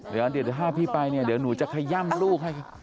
เดี๋ยวถ้าพี่ไปเนี่ยเดี๋ยวหนูจะขย่ำลูกให้